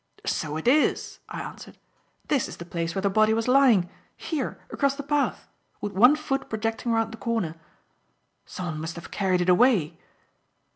"So it is," I answered. "This is the place where the body was lying; here, across the path, with one foot projecting round the corner. Someone must have carried it away."